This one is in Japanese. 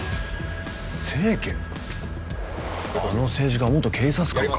あの政治家元警察官か。